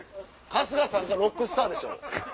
春日さんかロックスターでしょ。